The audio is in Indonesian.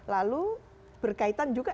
lalu berkaitan juga